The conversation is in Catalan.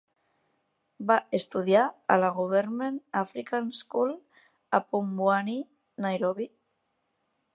Va estudiar a la Government African School, a Pumwani, Nairobi.